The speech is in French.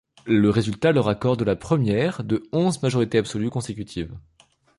Le résultat leur accorde la première de onze majorités absolues consécutives.